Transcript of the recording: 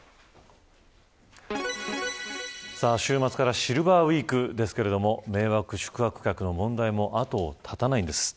週末からシルバーウイークですが迷惑宿泊客の問題も後を絶たないんです。